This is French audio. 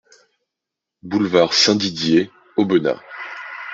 Boulevard Saint-Didier, Aubenas